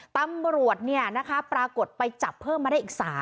ตำรวจปรากฏไปจับเพิ่มมาได้อีก๓